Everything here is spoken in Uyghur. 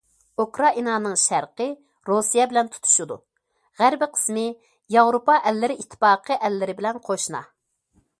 ئۇكرائىنانىڭ شەرقىي رۇسىيە بىلەن تۇتىشىدۇ، غەربىي قىسمى ياۋروپا ئەللىرى ئىتتىپاقى ئەللىرى بىلەن قوشنا.